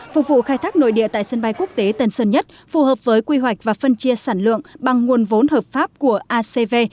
phục vụ khai thác nội địa tại sân bay quốc tế tân sơn nhất phù hợp với quy hoạch và phân chia sản lượng bằng nguồn vốn hợp pháp của acv